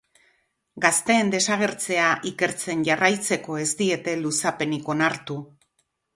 Gazteen desagertzea ikertzen jarraitzeko ez diete luzapenik onartu.